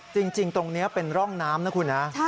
จริงตรงนี้เป็นร่องน้ำนะคุณนะ